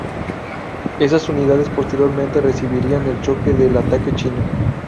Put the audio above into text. Esas unidades posteriormente recibirían el choque del ataque chino.